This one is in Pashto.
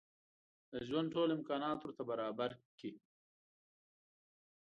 د ژوند ټول امکانات ورته برابر کړي.